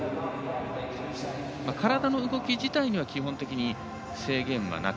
体の動き自体には基本的に制限はなく。